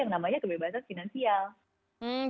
yang namanya kebebasan finansial